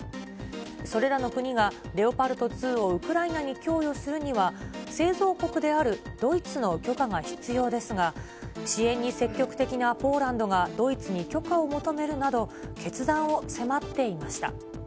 それらの国がレオパルト２をウクライナに供与するには、製造国であるドイツの許可が必要ですが、支援に積極的なポーランドがドイツに許可を求めるなど、決断を迫っていました。